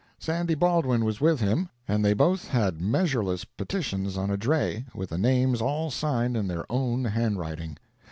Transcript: Sandy Baldwin was with him, and they both had measureless petitions on a dray with the names all signed in their own handwriting.